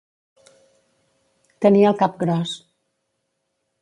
Tenir el cap gros.